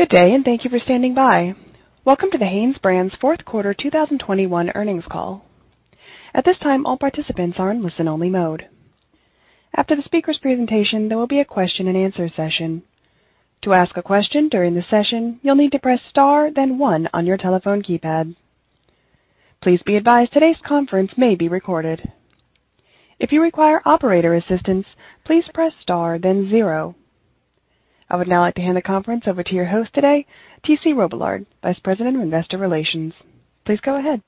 Good day, and thank you for standing by. Welcome to the HanesBrands' fourth quarter 2021 earnings call. At this time, all participants are in listen-only mode. After the speaker's presentation, there will be a question-and-answer session. To ask a question during the session, you'll need to press Star, then one on your telephone keypad. Please be advised, today's conference may be recorded. If you require operator assistance, please press Star, then zero. I would now like to hand the conference over to your host today, T.C. Robillard, Vice President of Investor Relations. Please go ahead.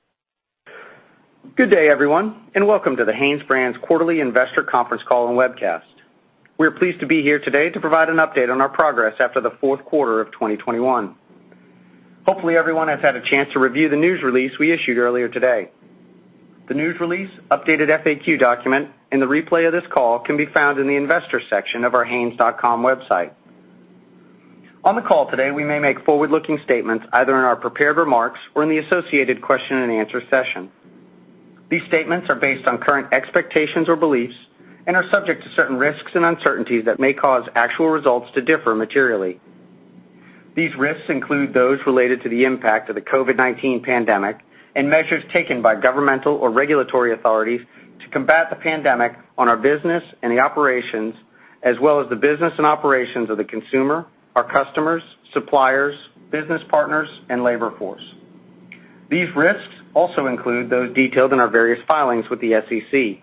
Good day, everyone, and welcome to the HanesBrands' quarterly investor conference call and webcast. We're pleased to be here today to provide an update on our progress after the fourth quarter of 2021. Hopefully, everyone has had a chance to review the news release we issued earlier today. The news release, updated FAQ document, and the replay of this call can be found in the investor section of our hanes.com website. On the call today, we may make forward-looking statements, either in our prepared remarks or in the associated question-and-answer session. These statements are based on current expectations or beliefs and are subject to certain risks and uncertainties that may cause actual results to differ materially. These risks include those related to the impact of the COVID-19 pandemic and measures taken by governmental or regulatory authorities to combat the pandemic on our business and the operations, as well as the business and operations of the consumer, our customers, suppliers, business partners, and labor force. These risks also include those detailed in our various filings with the SEC,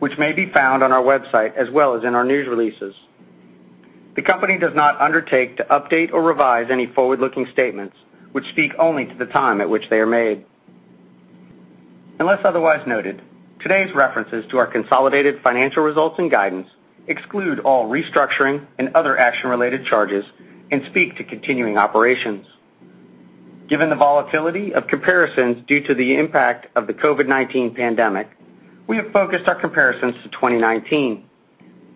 which may be found on our website as well as in our news releases. The company does not undertake to update or revise any forward-looking statements, which speak only to the time at which they are made. Unless otherwise noted, today's references to our consolidated financial results and guidance exclude all restructuring and other action-related charges and speak to continuing operations. Given the volatility of comparisons due to the impact of the COVID-19 pandemic, we have focused our comparisons to 2019.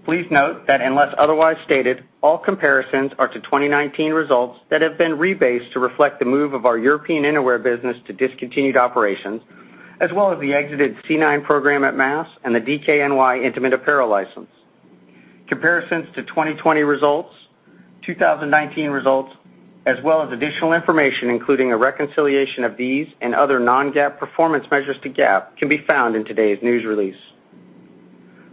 Please note that unless otherwise stated, all comparisons are to 2019 results that have been rebased to reflect the move of our European innerwear business to discontinued operations, as well as the exited C9 program at Mass and the DKNY intimate apparel license. Comparisons to 2020 results, 2019 results, as well as additional information, including a reconciliation of these and other non-GAAP performance measures to GAAP, can be found in today's news release.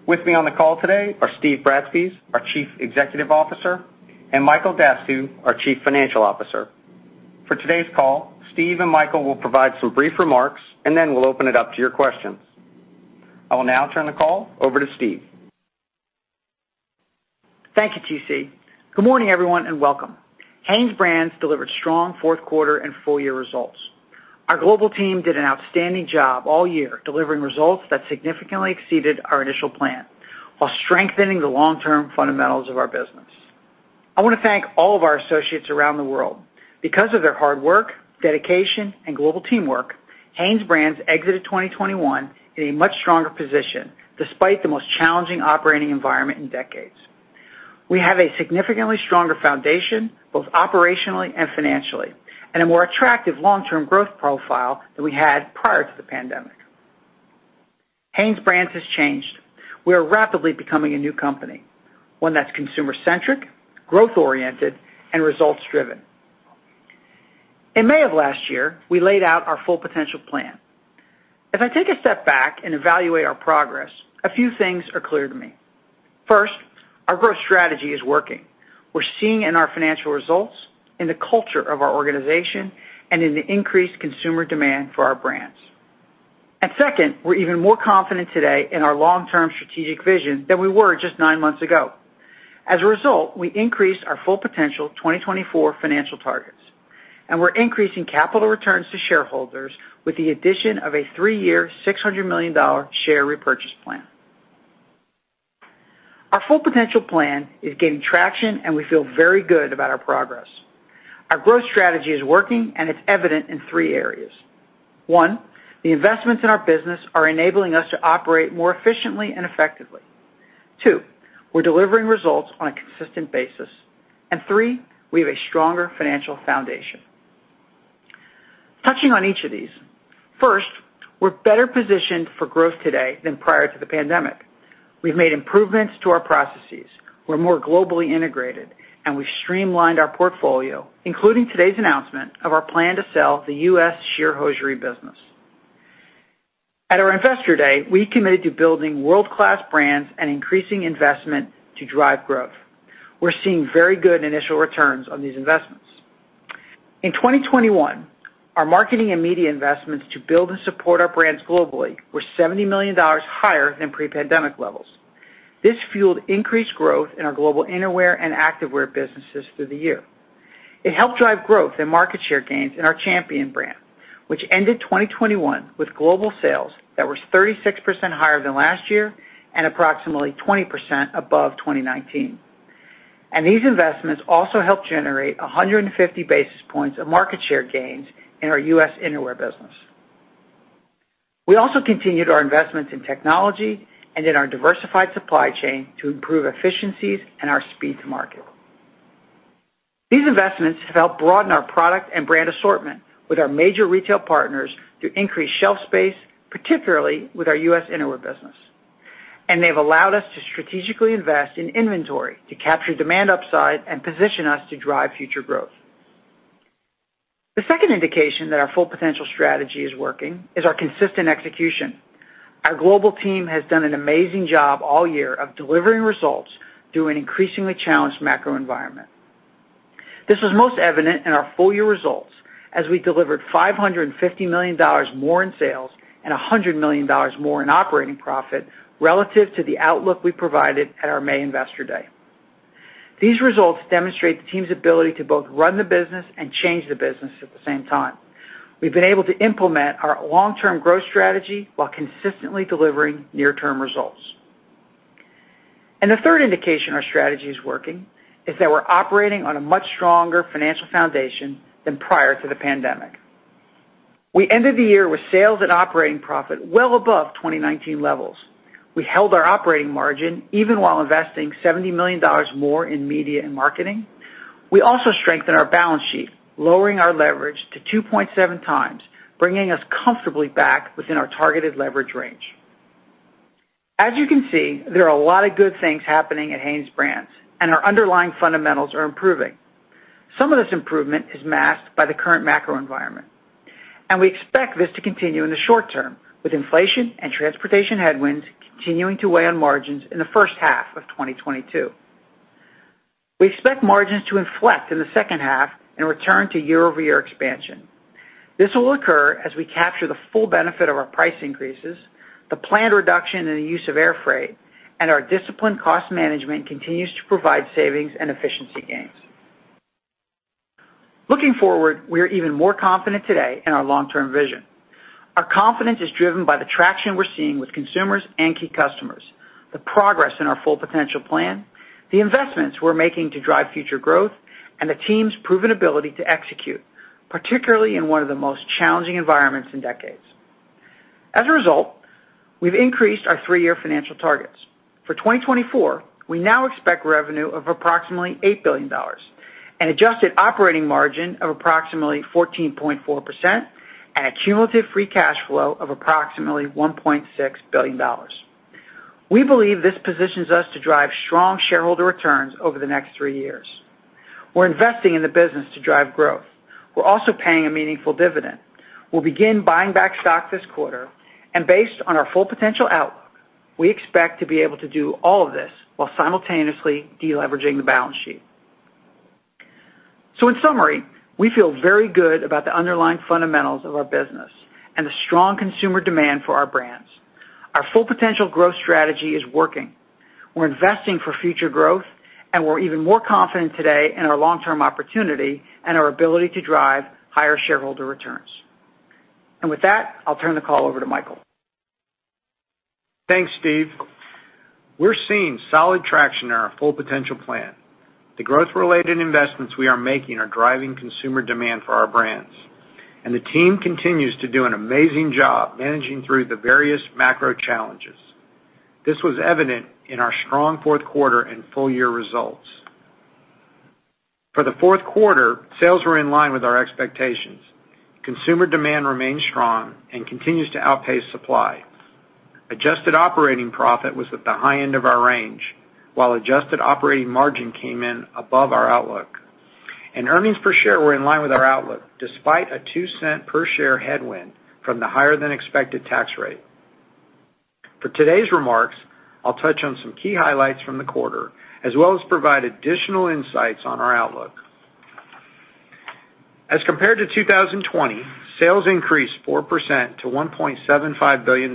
With me on the call today are Steve Bratspies, our Chief Executive Officer, and Michael Dastugue, our Chief Financial Officer. For today's call, Steve and Michael will provide some brief remarks, and then we'll open it up to your questions. I will now turn the call over to Steve. Thank you, T.C. Good morning, everyone, and welcome. HanesBrands delivered strong fourth quarter and full year results. Our global team did an outstanding job all year delivering results that significantly exceeded our initial plan while strengthening the long-term fundamentals of our business. I wanna thank all of our associates around the world. Because of their hard work, dedication, and global teamwork, HanesBrands exited 2021 in a much stronger position, despite the most challenging operating environment in decades. We have a significantly stronger foundation, both operationally and financially, and a more attractive long-term growth profile than we had prior to the pandemic. HanesBrands has changed. We are rapidly becoming a new company, one that's consumer-centric, growth-oriented, and results-driven. In May of last year, we laid out our full potential plan. If I take a step back and evaluate our progress, a few things are clear to me. First, our growth strategy is working. We're seeing in our financial results, in the culture of our organization, and in the increased consumer demand for our brands. Second, we're even more confident today in our long-term strategic vision than we were just nine months ago. As a result, we increased our Full Potential 2024 financial targets, and we're increasing capital returns to shareholders with the addition of a three-year, $600 million share repurchase plan. Our Full Potential plan is gaining traction, and we feel very good about our progress. Our growth strategy is working, and it's evident in three areas. One, the investments in our business are enabling us to operate more efficiently and effectively. Two, we're delivering results on a consistent basis. Three, we have a stronger financial foundation. Touching on each of these. First, we're better positioned for growth today than prior to the pandemic. We've made improvements to our processes. We're more globally integrated, and we've streamlined our portfolio, including today's announcement of our plan to sell the U.S. sheer hosiery business. At our Investor Day, we committed to building world-class brands and increasing investment to drive growth. We're seeing very good initial returns on these investments. In 2021, our marketing and media investments to build and support our brands globally were $70 million higher than pre-pandemic levels. This fueled increased growth in our global innerwear and activewear businesses through the year. It helped drive growth in market share gains in our Champion brand, which ended 2021 with global sales that were 36% higher than last year and approximately 20% above 2019. These investments also helped generate 150 basis points of market share gains in our U.S. innerwear business. We also continued our investments in technology and in our diversified supply chain to improve efficiencies and our speed to market. These investments have helped broaden our product and brand assortment with our major retail partners to increase shelf space, particularly with our U.S. innerwear business. They've allowed us to strategically invest in inventory to capture demand upside and position us to drive future growth. The second indication that our full potential strategy is working is our consistent execution. Our global team has done an amazing job all year of delivering results through an increasingly challenged macro environment. This was most evident in our full year results as we delivered $550 million more in sales and $100 million more in operating profit relative to the outlook we provided at our May investor day. These results demonstrate the team's ability to both run the business and change the business at the same time. We've been able to implement our long-term growth strategy while consistently delivering near-term results. The third indication our strategy is working is that we're operating on a much stronger financial foundation than prior to the pandemic. We ended the year with sales and operating profit well above 2019 levels. We held our operating margin even while investing $70 million more in media and marketing. We also strengthened our balance sheet, lowering our leverage to 2.7 times, bringing us comfortably back within our targeted leverage range. As you can see, there are a lot of good things happening at HanesBrands, and our underlying fundamentals are improving. Some of this improvement is masked by the current macro environment, and we expect this to continue in the short term, with inflation and transportation headwinds continuing to weigh on margins in the first half of 2022. We expect margins to inflect in the second half and return to year-over-year expansion. This will occur as we capture the full benefit of our price increases, the planned reduction in the use of air freight, and our disciplined cost management continues to provide savings and efficiency gains. Looking forward, we are even more confident today in our long-term vision. Our confidence is driven by the traction we're seeing with consumers and key customers, the progress in our full potential plan, the investments we're making to drive future growth, and the team's proven ability to execute, particularly in one of the most challenging environments in decades. As a result, we've increased our three-year financial targets. For 2024, we now expect revenue of approximately $8 billion, an adjusted operating margin of approximately 14.4%, and a cumulative free cash flow of approximately $1.6 billion. We believe this positions us to drive strong shareholder returns over the next three years. We're investing in the business to drive growth. We're also paying a meaningful dividend. We'll begin buying back stock this quarter, and based on our full potential outlook, we expect to be able to do all of this while simultaneously deleveraging the balance sheet. In summary, we feel very good about the underlying fundamentals of our business and the strong consumer demand for our brands. Our full potential growth strategy is working. We're investing for future growth, and we're even more confident today in our long-term opportunity and our ability to drive higher shareholder returns. With that, I'll turn the call over to Michael. Thanks, Steve. We're seeing solid traction in our full potential plan. The growth-related investments we are making are driving consumer demand for our brands, and the team continues to do an amazing job managing through the various macro challenges. This was evident in our strong fourth quarter and full year results. For the fourth quarter, sales were in line with our expectations. Consumer demand remains strong and continues to outpace supply. Adjusted operating profit was at the high end of our range, while adjusted operating margin came in above our outlook. Earnings per share were in line with our outlook, despite a 2 cents per share headwind from the higher-than-expected tax rate. For today's remarks, I'll touch on some key highlights from the quarter, as well as provide additional insights on our outlook. As compared to 2020, sales increased 4% to $1.75 billion.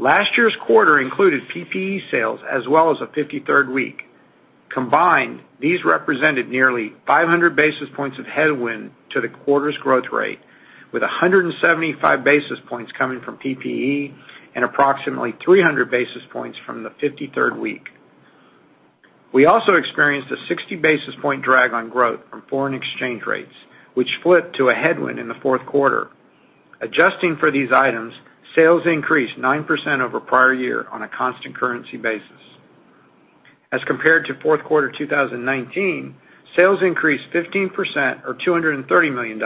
Last year's quarter included PPE sales as well as a 53rd week. Combined, these represented nearly 500 basis points of headwind to the quarter's growth rate, with 175 basis points coming from PPE and approximately 300 basis points from the 53rd week. We also experienced a 60 basis point drag on growth from foreign exchange rates, which flipped to a headwind in the fourth quarter. Adjusting for these items, sales increased 9% over prior year on a constant currency basis. As compared to fourth quarter 2019, sales increased 15% or $230 million.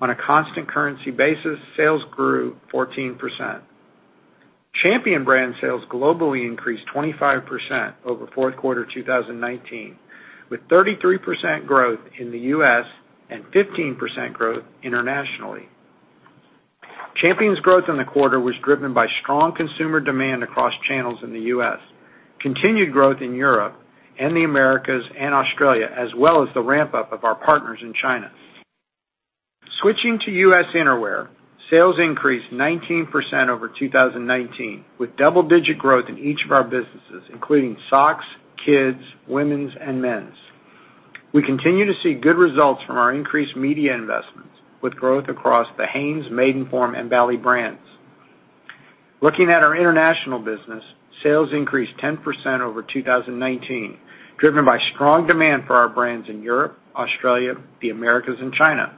On a constant currency basis, sales grew 14%. Champion brand sales globally increased 25% over fourth quarter 2019, with 33% growth in the U.S. and 15% growth internationally. Champion's growth in the quarter was driven by strong consumer demand across channels in the U.S., continued growth in Europe and the Americas and Australia, as well as the ramp-up of our partners in China. Switching to U.S. innerwear, sales increased 19% over 2019, with double-digit growth in each of our businesses, including socks, kids, women's, and men's. We continue to see good results from our increased media investments, with growth across the Hanes, Maidenform, and Bali brands. Looking at our international business, sales increased 10% over 2019, driven by strong demand for our brands in Europe, Australia, the Americas, and China.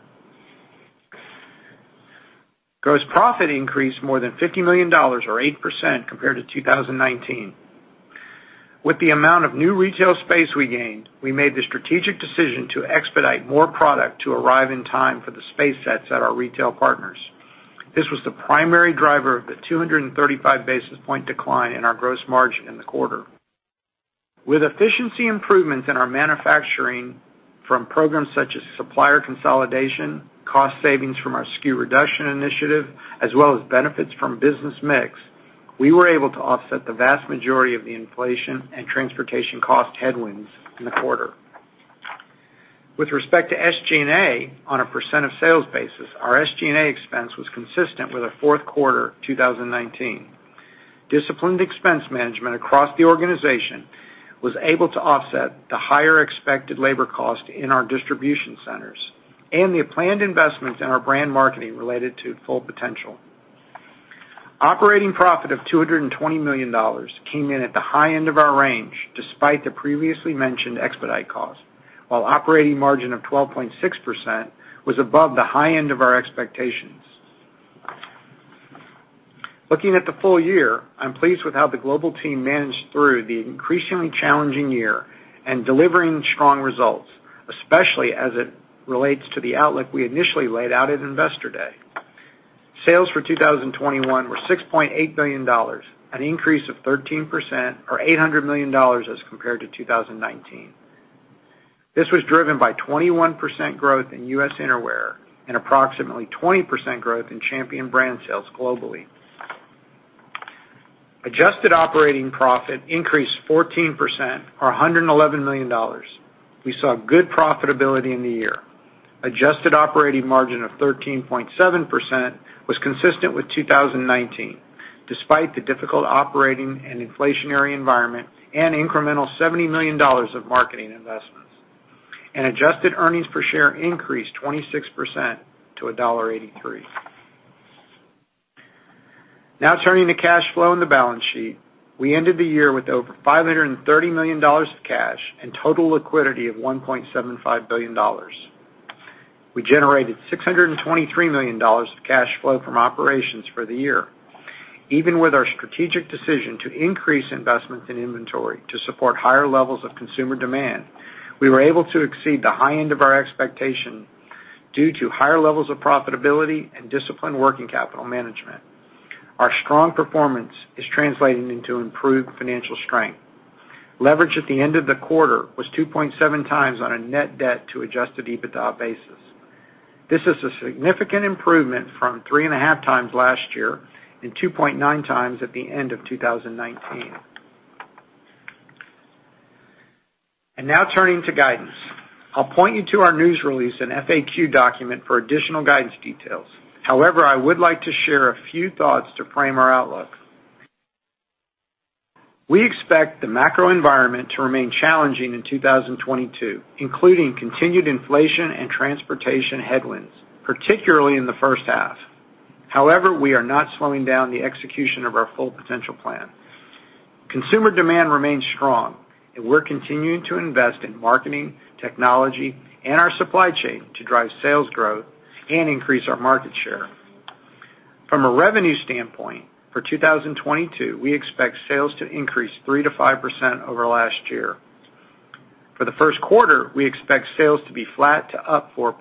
Gross profit increased more than $50 million or 8% compared to 2019. With the amount of new retail space we gained, we made the strategic decision to expedite more product to arrive in time for the space sets at our retail partners. This was the primary driver of the 235 basis point decline in our gross margin in the quarter. With efficiency improvements in our manufacturing from programs such as supplier consolidation, cost savings from our SKU reduction initiative, as well as benefits from business mix, we were able to offset the vast majority of the inflation and transportation cost headwinds in the quarter. With respect to SG&A on a percent of sales basis, our SG&A expense was consistent with the fourth quarter of 2019. Disciplined expense management across the organization was able to offset the higher expected labor cost in our distribution centers and the planned investments in our brand marketing related to full potential. Operating profit of $220 million came in at the high end of our range, despite the previously mentioned expedite cost, while operating margin of 12.6% was above the high end of our expectations. Looking at the full year, I'm pleased with how the global team managed through the increasingly challenging year and delivering strong results, especially as it relates to the outlook we initially laid out at Investor Day. Sales for 2021 were $6.8 billion, an increase of 13% or $800 million as compared to 2019. This was driven by 21% growth in U.S. innerwear and approximately 20% growth in Champion brand sales globally. Adjusted operating profit increased 14% or $111 million. We saw good profitability in the year. Adjusted operating margin of 13.7% was consistent with 2019, despite the difficult operating and inflationary environment and incremental $70 million of marketing investments. Adjusted earnings per share increased 26% to $1.83. Now turning to cash flow in the balance sheet. We ended the year with over $530 million of cash and total liquidity of $1.75 billion. We generated $623 million of cash flow from operations for the year. Even with our strategic decision to increase investments in inventory to support higher levels of consumer demand, we were able to exceed the high end of our expectation due to higher levels of profitability and disciplined working capital management. Our strong performance is translating into improved financial strength. Leverage at the end of the quarter was 2.7 times on a net debt to adjusted EBITDA basis. This is a significant improvement from 3.5 times last year and 2.9 times at the end of 2019. Now turning to guidance. I'll point you to our news release and FAQ document for additional guidance details. However, I would like to share a few thoughts to frame our outlook. We expect the macro environment to remain challenging in 2022, including continued inflation and transportation headwinds, particularly in the first half. However, we are not slowing down the execution of our full potential plan. Consumer demand remains strong, and we're continuing to invest in marketing, technology, and our supply chain to drive sales growth and increase our market share. From a revenue standpoint, for 2022, we expect sales to increase 3%-5% over last year. For the first quarter, we expect sales to be flat to up 4%.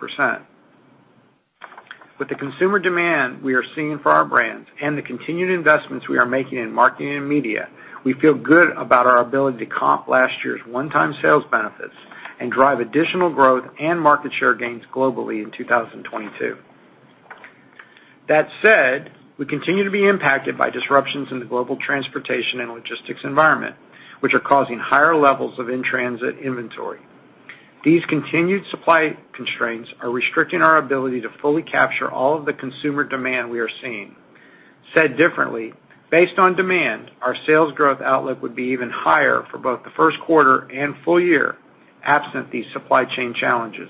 With the consumer demand we are seeing for our brands and the continued investments we are making in marketing and media, we feel good about our ability to comp last year's one-time sales benefits and drive additional growth and market share gains globally in 2022. That said, we continue to be impacted by disruptions in the global transportation and logistics environment, which are causing higher levels of in-transit inventory. These continued supply constraints are restricting our ability to fully capture all of the consumer demand we are seeing. Said differently, based on demand, our sales growth outlook would be even higher for both the first quarter and full year absent these supply chain challenges.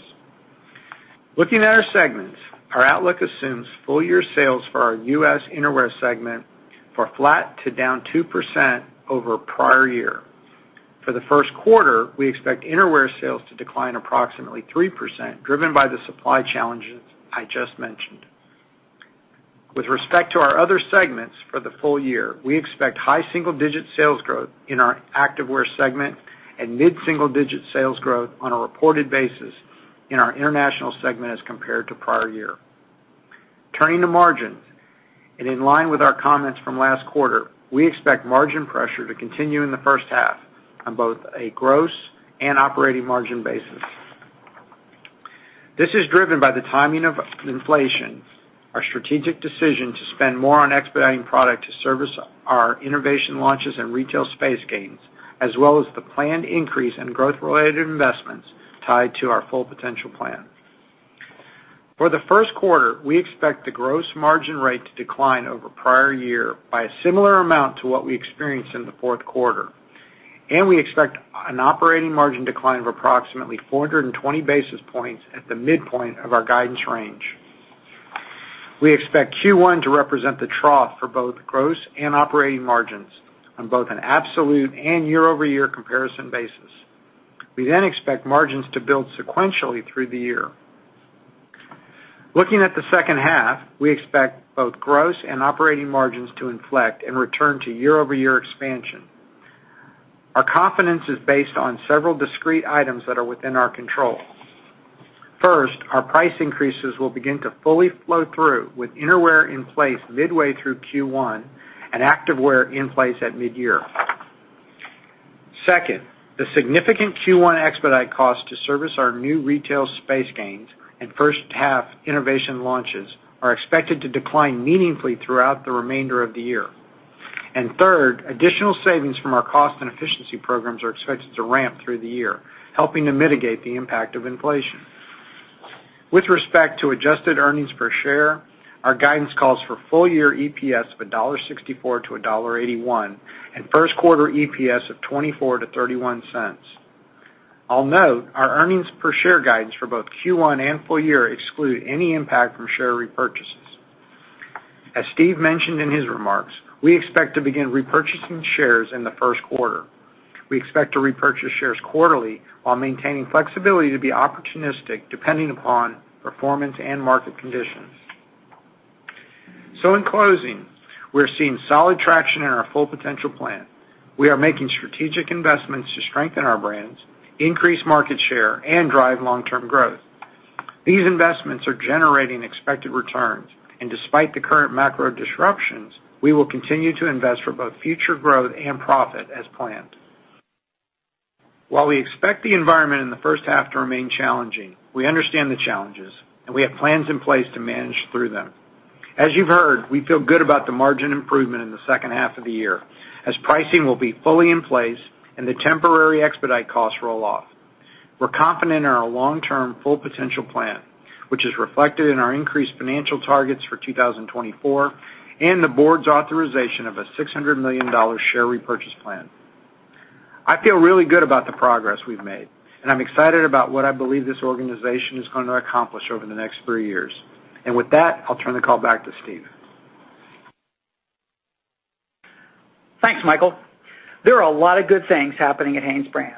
Looking at our segments, our outlook assumes full year sales for our U.S. Innerwear segment for flat to down 2% over prior year. For the first quarter, we expect Innerwear sales to decline approximately 3%, driven by the supply challenges I just mentioned. With respect to our other segments for the full year, we expect high single-digit% sales growth in our activewear segment and mid single-digit% sales growth on a reported basis in our international segment as compared to prior year. Turning to margins, and in line with our comments from last quarter, we expect margin pressure to continue in the first half on both a gross and operating margin basis. This is driven by the timing of inflation, our strategic decision to spend more on expediting product to service our innovation launches and retail space gains, as well as the planned increase in growth-related investments tied to our full potential plan. For the first quarter, we expect the gross margin rate to decline over prior year by a similar amount to what we experienced in the fourth quarter, and we expect an operating margin decline of approximately 420 basis points at the midpoint of our guidance range. We expect Q1 to represent the trough for both gross and operating margins on both an absolute and year-over-year comparison basis. We then expect margins to build sequentially through the year. Looking at the second half, we expect both gross and operating margins to inflect and return to year-over-year expansion. Our confidence is based on several discrete items that are within our control. First, our price increases will begin to fully flow through with innerwear in place midway through Q1 and activewear in place at midyear. Second, the significant Q1 expedite cost to service our new retail space gains and first half innovation launches are expected to decline meaningfully throughout the remainder of the year. Third, additional savings from our cost and efficiency programs are expected to ramp through the year, helping to mitigate the impact of inflation. With respect to adjusted earnings per share, our guidance calls for full year EPS of $1.64-$1.81 and first quarter EPS of $0.24-$0.31. I'll note our earnings per share guidance for both Q1 and full year exclude any impact from share repurchases. As Steve mentioned in his remarks, we expect to begin repurchasing shares in the first quarter. We expect to repurchase shares quarterly while maintaining flexibility to be opportunistic depending upon performance and market conditions. In closing, we're seeing solid traction in our full potential plan. We are making strategic investments to strengthen our brands, increase market share, and drive long-term growth. These investments are generating expected returns. Despite the current macro disruptions, we will continue to invest for both future growth and profit as planned. While we expect the environment in the first half to remain challenging, we understand the challenges, and we have plans in place to manage through them. As you've heard, we feel good about the margin improvement in the second half of the year, as pricing will be fully in place and the temporary expedite costs roll off. We're confident in our long-term full potential plan, which is reflected in our increased financial targets for 2024 and the board's authorization of a $600 million share repurchase plan. I feel really good about the progress we've made, and I'm excited about what I believe this organization is gonna accomplish over the next three years. With that, I'll turn the call back to Steve. Thanks, Michael. There are a lot of good things happening at HanesBrands.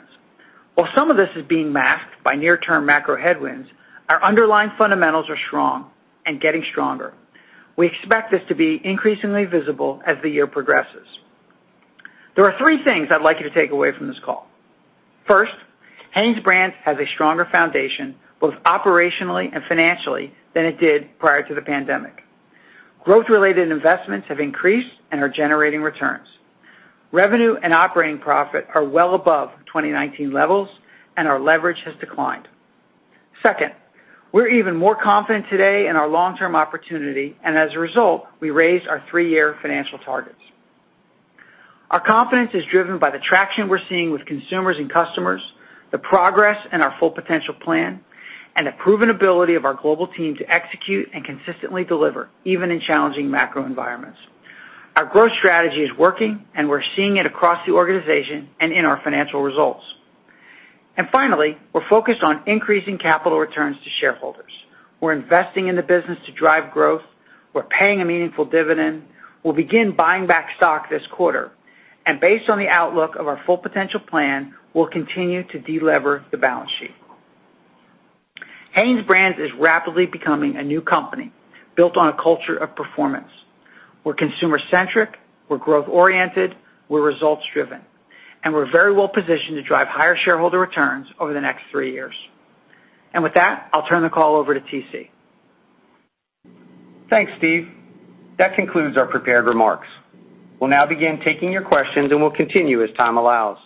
While some of this is being masked by near-term macro headwinds, our underlying fundamentals are strong and getting stronger. We expect this to be increasingly visible as the year progresses. There are three things I'd like you to take away from this call. First, HanesBrands has a stronger foundation, both operationally and financially, than it did prior to the pandemic. Growth-related investments have increased and are generating returns. Revenue and operating profit are well above 2019 levels, and our leverage has declined. Second, we're even more confident today in our long-term opportunity, and as a result, we raised our three-year financial targets. Our confidence is driven by the traction we're seeing with consumers and customers, the progress in our Full Potential Plan, and the proven ability of our global team to execute and consistently deliver, even in challenging macro environments. Our growth strategy is working, and we're seeing it across the organization and in our financial results. Finally, we're focused on increasing capital returns to shareholders. We're investing in the business to drive growth. We're paying a meaningful dividend. We'll begin buying back stock this quarter. Based on the outlook of our Full Potential Plan, we'll continue to delever the balance sheet. HanesBrands is rapidly becoming a new company built on a culture of performance. We're consumer-centric, we're growth-oriented, we're results-driven, and we're very well positioned to drive higher shareholder returns over the next three years. With that, I'll turn the call over to TC. Thanks, Steve. That concludes our prepared remarks. We'll now begin taking your questions, and we'll continue as time allows.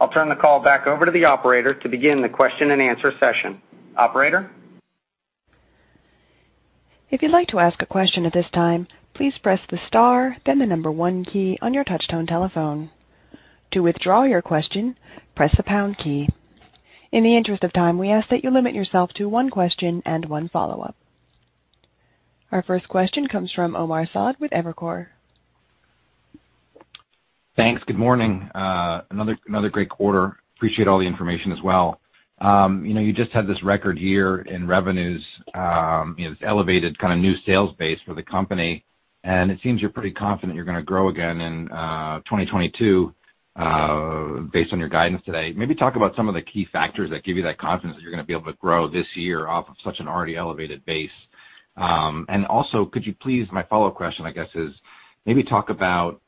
I'll turn the call back over to the operator to begin the question-and-answer session. Operator? If you'd like to ask a question at this time, please press the star, then the number one key on your touchtone telephone. To withdraw your question, press the pound key. In the interest of time, we ask that you limit yourself to one question and one follow-up. Our first question comes from Omar Saad with Evercore. Thanks. Good morning. Another great quarter. Appreciate all the information as well. You know, you just had this record year in revenues, you know, this elevated kind of new sales base for the company, and it seems you're pretty confident you're gonna grow again in 2022, based on your guidance today. Maybe talk about some of the key factors that give you that confidence that you're gonna be able to grow this year off of such an already elevated base. Also could you please, my follow-up question, I guess is, maybe talk about,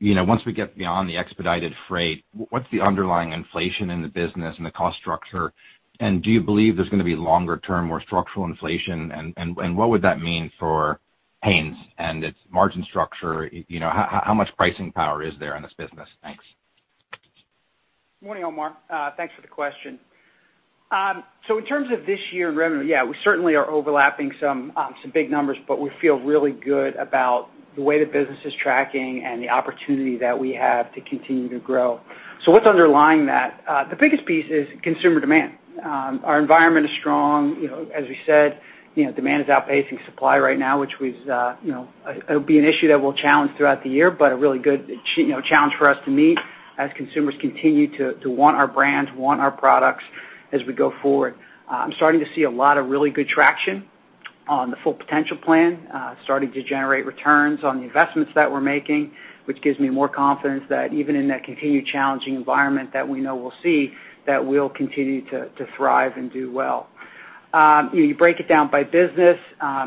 you know, once we get beyond the expedited freight, what's the underlying inflation in the business and the cost structure? Do you believe there's gonna be longer term, more structural inflation? What would that mean for HanesBrands and its margin structure? You know, how much pricing power is there in this business? Thanks. Morning, Omar. Thanks for the question. In terms of this year in revenue, yeah, we certainly are overlapping some big numbers, but we feel really good about the way the business is tracking and the opportunity that we have to continue to grow. What's underlying that? The biggest piece is consumer demand. Our environment is strong. You know, as we said, you know, demand is outpacing supply right now, you know, it'll be an issue that we'll challenge throughout the year, but a really good challenge for us to meet as consumers continue to want our brands, want our products as we go forward. I'm starting to see a lot of really good traction on the Full Potential plan, starting to generate returns on the investments that we're making, which gives me more confidence that even in that continued challenging environment that we know we'll see, that we'll continue to thrive and do well. You break it down by business,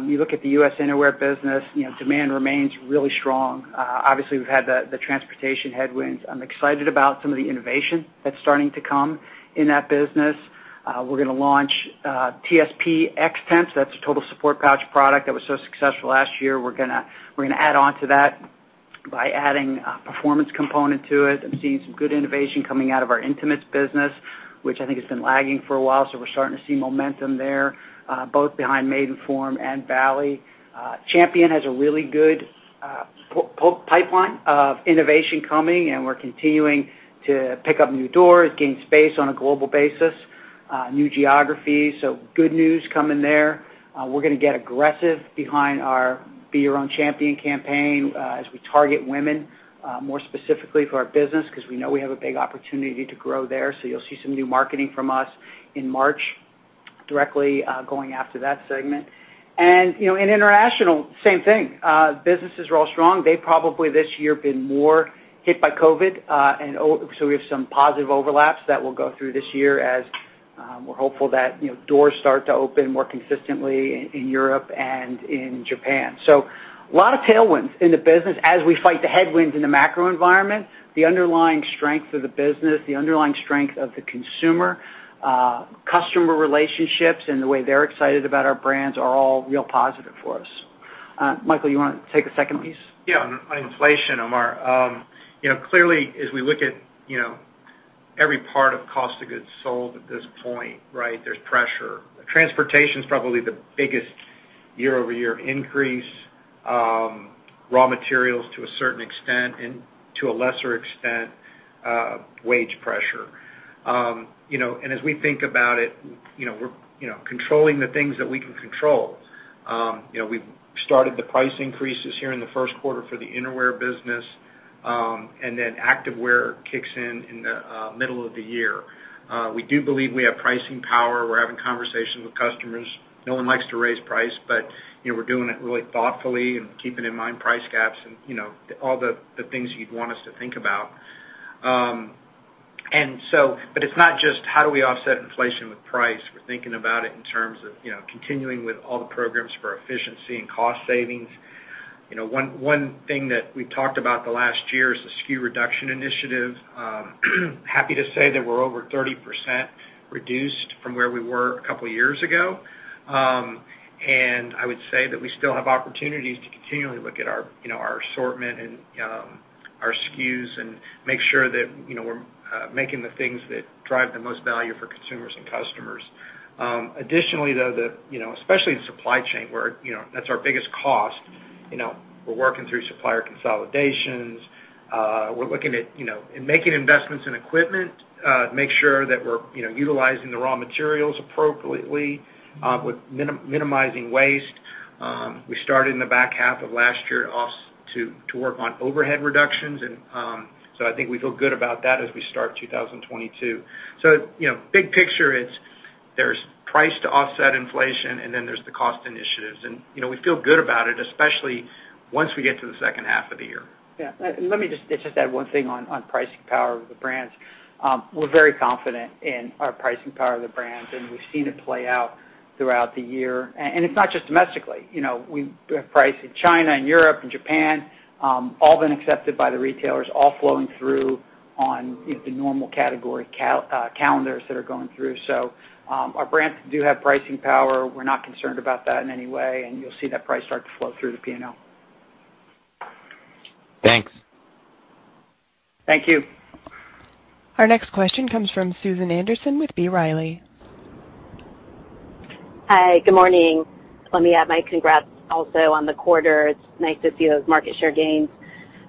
you look at the U.S. innerwear business, you know, demand remains really strong. Obviously, we've had the transportation headwinds. I'm excited about some of the innovation that's starting to come in that business. We're gonna launch Total Support Pouch X-Temp. That's a total support pouch product that was so successful last year. We're gonna add on to that by adding a performance component to it. I'm seeing some good innovation coming out of our intimates business, which I think has been lagging for a while, so we're starting to see momentum there, both behind Maidenform and Bali. Champion has a really good pipeline of innovation coming, and we're continuing to pick up new doors, gain space on a global basis, new geographies. Good news coming there. We're gonna get aggressive behind our Be Your Own Champion campaign, as we target women more specifically for our business because we know we have a big opportunity to grow there. You'll see some new marketing from us in March directly, going after that segment. You know, in international, same thing. Businesses are all strong. They probably this year have been more hit by COVID, and so we have some positive overlaps that will go through this year as we're hopeful that, you know, doors start to open more consistently in Europe and in Japan. A lot of tailwinds in the business as we fight the headwinds in the macro environment. The underlying strength of the business, the underlying strength of the consumer, customer relationships and the way they're excited about our brands are all real positive for us. Michael, you wanna take the second piece? Yeah. On inflation, Omar. You know, clearly, as we look at, you know, every part of cost of goods sold at this point, right, there's pressure. Transportation is probably the biggest year-over-year increase, raw materials to a certain extent and to a lesser extent, wage pressure. You know, and as we think about it, you know, we're, you know, controlling the things that we can control. You know, we've started the price increases here in the first quarter for the Innerwear business, and then Activewear kicks in in the middle of the year. We do believe we have pricing power. We're having conversations with customers. No one likes to raise price, but, you know, we're doing it really thoughtfully and keeping in mind price gaps and, you know, all the things you'd want us to think about. But it's not just how do we offset inflation with price. We're thinking about it in terms of, you know, continuing with all the programs for efficiency and cost savings. You know, one thing that we've talked about the last year is the SKU reduction initiative. Happy to say that we're over 30% reduced from where we were a couple years ago. I would say that we still have opportunities to continually look at our, you know, our assortment and, our SKUs and make sure that, you know, we're making the things that drive the most value for consumers and customers. Additionally, though, you know, especially the supply chain where, you know, that's our biggest cost. We're working through supplier consolidations. We're looking at, you know, and making investments in equipment, to make sure that we're, you know, utilizing the raw materials appropriately, with minimizing waste. We started in the back half of last year to work on overhead reductions. I think we feel good about that as we start 2022. You know, big picture is there's price to offset inflation, and then there's the cost initiatives. You know, we feel good about it, especially once we get to the second half of the year. Yeah. Let me just add one thing on pricing power of the brands. We're very confident in our pricing power of the brands, and we've seen it play out throughout the year. And it's not just domestically. You know, we have price in China and Europe and Japan, all been accepted by the retailers, all flowing through on, you know, the normal category calendars that are going through. Our brands do have pricing power. We're not concerned about that in any way, and you'll see that price start to flow through to P&L. Thanks. Thank you. Our next question comes from Susan Anderson with B. Riley. Hi, good morning. Let me add my congrats also on the quarter. It's nice to see those market share gains.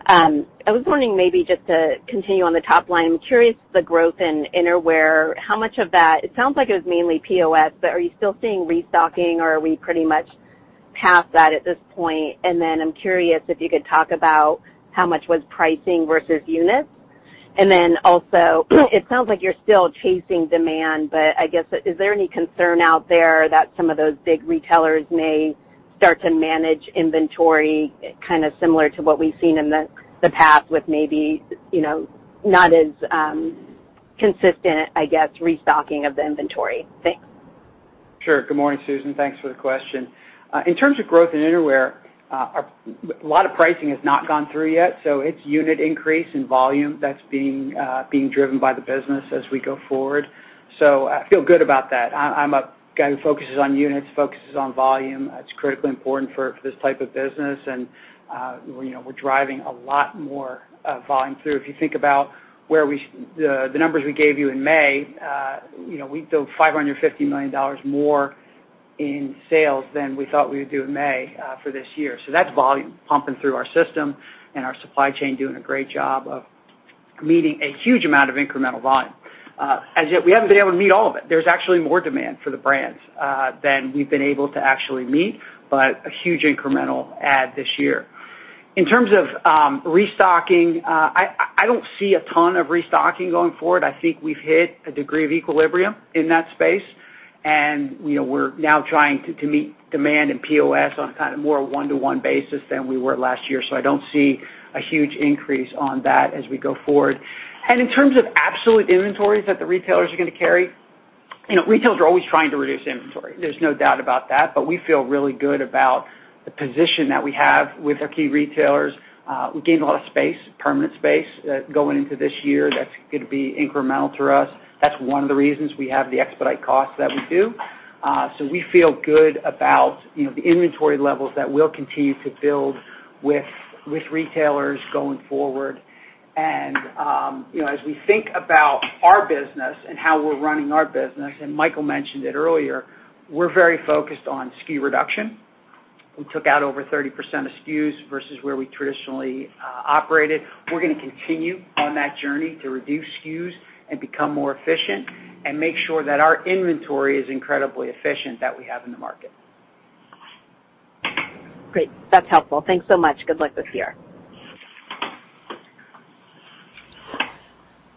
I was wondering maybe just to continue on the top line. I'm curious, the growth in innerwear, how much of that. It sounds like it was mainly POS, but are you still seeing restocking, or are we pretty much past that at this point? I'm curious if you could talk about how much was pricing versus units. It sounds like you're still chasing demand, but I guess, is there any concern out there that some of those big retailers may start to manage inventory kind of similar to what we've seen in the past with maybe, you know, not as, consistent, I guess, restocking of the inventory? Thanks. Sure. Good morning, Susan. Thanks for the question. In terms of growth in innerwear, a lot of pricing has not gone through yet, so it's unit increase in volume that's being driven by the business as we go forward. I feel good about that. I'm a guy who focuses on units, focuses on volume. It's critically important for this type of business. You know, we're driving a lot more volume through. If you think about the numbers we gave you in May, you know, we do $550 million more in sales than we thought we would do in May for this year. That's volume pumping through our system and our supply chain doing a great job of meeting a huge amount of incremental volume. As yet, we haven't been able to meet all of it. There's actually more demand for the brands than we've been able to actually meet, but a huge incremental add this year. In terms of restocking, I don't see a ton of restocking going forward. I think we've hit a degree of equilibrium in that space, and you know, we're now trying to meet demand in POS on kind of more one-to-one basis than we were last year. I don't see a huge increase on that as we go forward. In terms of absolute inventories that the retailers are gonna carry, you know, retailers are always trying to reduce inventory. There's no doubt about that. We feel really good about the position that we have with our key retailers. We gained a lot of space, permanent space, going into this year that's gonna be incremental to us. That's one of the reasons we have the expedite costs that we do. So we feel good about, you know, the inventory levels that we'll continue to build with retailers going forward. You know, as we think about our business and how we're running our business, and Michael mentioned it earlier, we're very focused on SKU reduction. We took out over 30% of SKUs versus where we traditionally operated. We're gonna continue on that journey to reduce SKUs and become more efficient and make sure that our inventory is incredibly efficient that we have in the market. Great. That's helpful. Thanks so much. Good luck this year.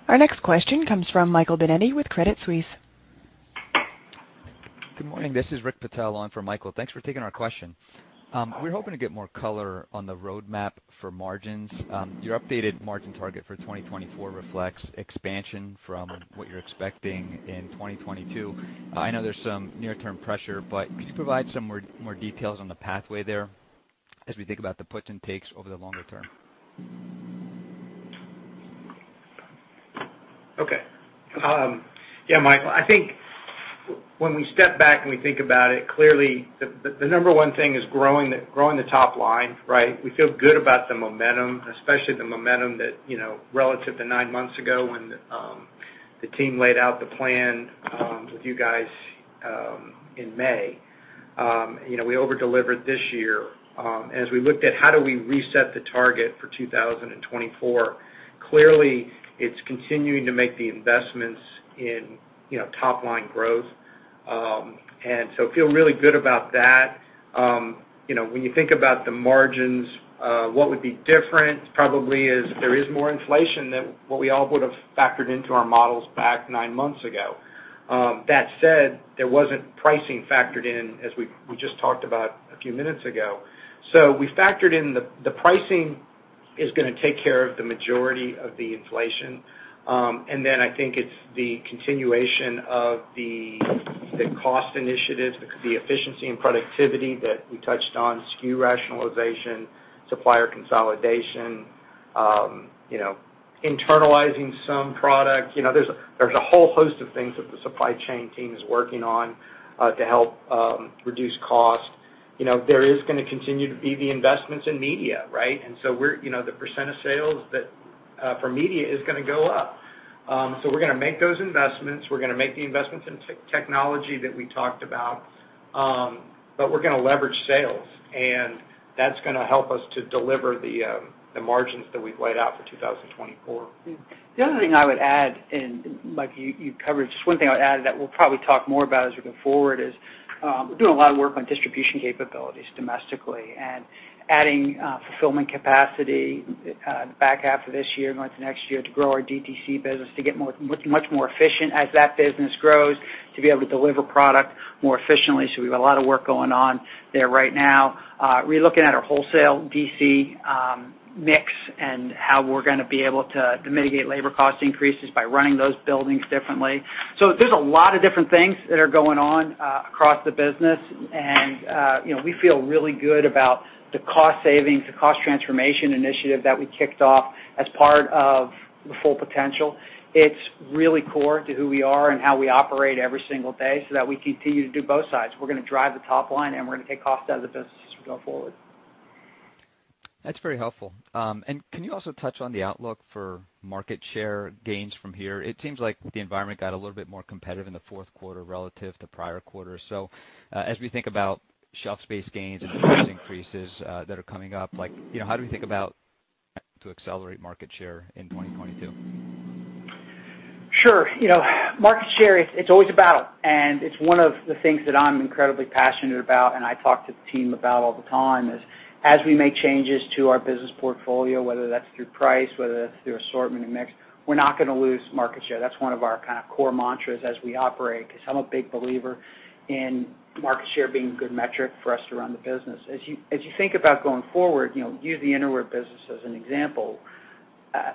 Our next question comes from Michael Binetti with Credit Suisse. Good morning. This is Rick Patel on for Michael. Thanks for taking our question. We're hoping to get more color on the roadmap for margins. Your updated margin target for 2024 reflects expansion from what you're expecting in 2022. I know there's some near-term pressure, but could you provide some more details on the pathway there as we think about the puts and takes over the longer term? Okay. Yeah, Michael, I think when we step back and we think about it, clearly the number one thing is growing the top line, right? We feel good about the momentum, especially the momentum that, you know, relative to nine months ago when the team laid out the plan with you guys in May. You know, we over-delivered this year. As we looked at how do we reset the target for 2024, clearly, it's continuing to make the investments in, you know, top line growth. We feel really good about that. You know, when you think about the margins, what would be different probably is there is more inflation than what we all would have factored into our models back nine months ago. That said, there wasn't pricing factored in as we just talked about a few minutes ago. We factored in the pricing is gonna take care of the majority of the inflation. I think it's the continuation of the cost initiatives, the efficiency and productivity that we touched on, SKU rationalization, supplier consolidation, you know, internalizing some product. You know, there's a whole host of things that the supply chain team is working on to help reduce cost. You know, there is gonna continue to be the investments in media, right? You know, the percent of sales that for media is gonna go up. We're gonna make those investments. We're gonna make the investments in technology that we talked about, but we're gonna leverage sales, and that's gonna help us to deliver the margins that we've laid out for 2024. The other thing I would add, like you covered, just one thing I would add that we'll probably talk more about as we go forward is, we're doing a lot of work on distribution capabilities domestically and adding fulfillment capacity the back half of this year and going into next year to grow our DTC business to get much more efficient as that business grows, to be able to deliver product more efficiently. We have a lot of work going on there right now. Relooking at our wholesale DC mix and how we're gonna be able to mitigate labor cost increases by running those buildings differently. There's a lot of different things that are going on across the business. You know, we feel really good about the cost savings, the cost transformation initiative that we kicked off as part of the Full Potential. It's really core to who we are and how we operate every single day so that we continue to do both sides. We're gonna drive the top line, and we're gonna take cost out of the business as we go forward. That's very helpful. Can you also touch on the outlook for market share gains from here? It seems like the environment got a little bit more competitive in the fourth quarter relative to prior quarters. As we think about shelf space gains and price increases that are coming up, like, you know, how do we think about to accelerate market share in 2022? Sure. You know, market share, it's always a battle, and it's one of the things that I'm incredibly passionate about and I talk to the team about all the time is, as we make changes to our business portfolio, whether that's through price, whether that's through assortment and mix, we're not gonna lose market share. That's one of our kind of core mantras as we operate, 'cause I'm a big believer in market share being a good metric for us to run the business. As you think about going forward, you know, use the innerwear business as an example.